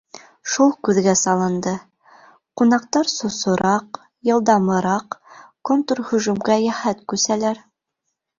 Шул күҙгә салынды: ҡунаҡтар сосораҡ, йылдамыраҡ, контрһөжүмгә йәһәт күсәләр.